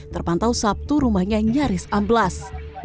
terpantau sabtu rumahnya nyaris amblas